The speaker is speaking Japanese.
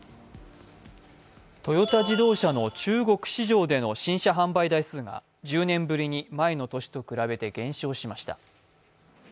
トヨタ自動車の中国市場での新車販売台数が１０年ぶりに前の年と比べて減少しました。